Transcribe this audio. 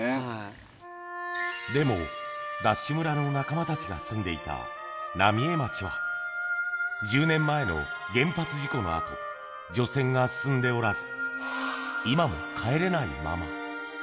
でも、ＤＡＳＨ村の仲間たちが住んでいた浪江町は、１０年前の原発事故のあと、除染が進んでおらず、今も帰れないまま。